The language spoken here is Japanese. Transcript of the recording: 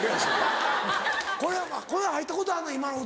これ入ったことあんの？